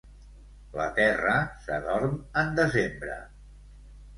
La terra s'adorm en desembre.